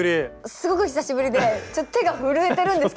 すごく久しぶりでちょっ手が震えてるんですけど。